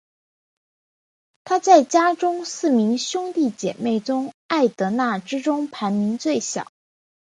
她在家中四名兄弟姊妹艾德娜之中排行最小。